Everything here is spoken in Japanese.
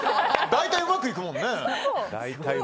大体うまくいくもんね。